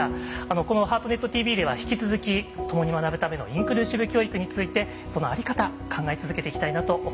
この「ハートネットＴＶ」では引き続き共に学ぶためのインクルーシブ教育についてその在り方考え続けていきたいなと思います。